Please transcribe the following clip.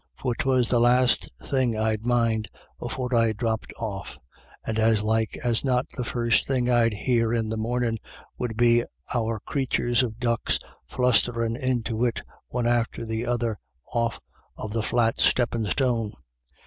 For 'twas the last thing I'd mind afore I dropped off, and as like as not the first thing I'd hear in the mornin' would be our crathurs of ducks flustherin' into it one after the other off of the flat steppin' stone.